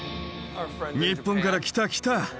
日本から来た来た！